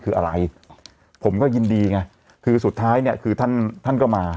คืออะไรผมก็ยินดีไงคือสุดท้ายเนี่ยคือท่านท่านก็มา